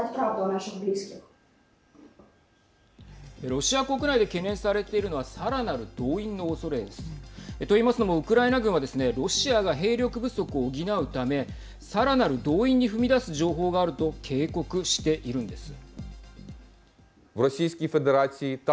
ロシア国内で懸念されているのはさらなる動員のおそれです。と言いますのもウクライナ軍はですねロシアが兵力不足を補うためさらなる動員に踏み出す情報があると警告しているんです。